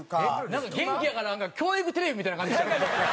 なんか元気やからかなんか教育テレビみたいな感じでしたよね。